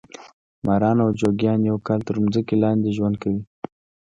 ماران او جوګیان یو کال تر مځکې لاندې ژوند کوي.